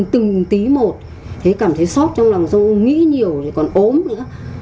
từng tí một cảm thấy xót trong lòng rồi nghĩ nhiều còn ốm nữa